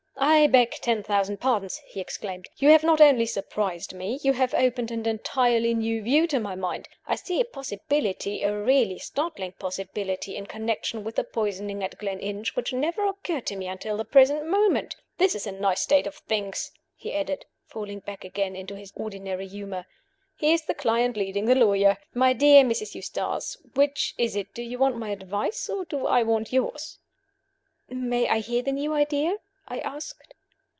"I beg ten thousand pardons!" he exclaimed. "You have not only surprised me you have opened an entirely new view to my mind. I see a possibility, a really startling possibility, in connection with the poisoning at Gleninch, which never occurred to me until the present moment. This is a nice state of things," he added, falling back again into his ordinary humor. "Here is the client leading the lawyer. My dear Mrs. Eustace, which is it do you want my advice? or do I want yours?" "May I hear the new idea?" I asked.